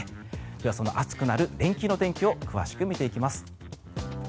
ではその暑くなる連休の天気を詳しく見ていきます。